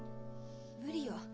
無理よ。